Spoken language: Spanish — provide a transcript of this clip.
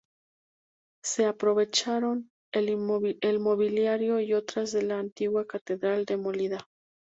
Se aprovecharon el mobiliario y obras de la antigua catedral demolida.